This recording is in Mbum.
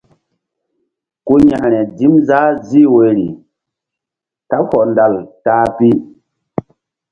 Ku yȩkre dim zah zih wori kaɓ hɔndal ta-a pi.